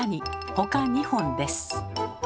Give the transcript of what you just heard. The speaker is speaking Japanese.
ほか２本です。